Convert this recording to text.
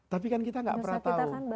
tapi kan kita gak pernah tahu